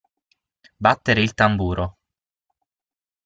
Battere il tamburo.